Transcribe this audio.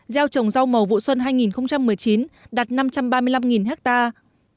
gieo trồng rau màu vụ xuân hai nghìn một mươi chín đạt năm trăm ba mươi năm hectare